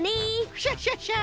クシャシャシャ！